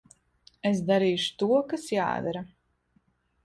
Es darīšu to, kas jādara.